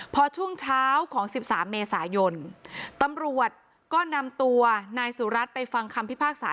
พอช่วงเช้าของ๑๓เมษายนตำรวจก็นำตัวนายสุรัตน์ไปฟังคำพิพากษา